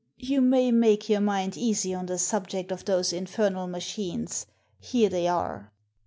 " You may make your mind easy on the subject of those infernal machines. Here they are."